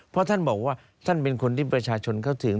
เพราะท่านบอกว่าท่านเป็นคนที่ประชาชนเข้าถึง